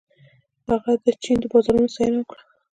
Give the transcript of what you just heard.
هغه د چین د بازارونو ستاینه وکړه.